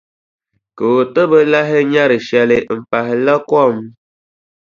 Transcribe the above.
Ka o ti bi lahi nyari shɛli m-pahila kom.